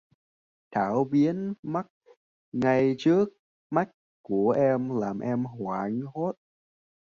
Thảo biến mất ngay trước mắt của em làm em hoảng hốt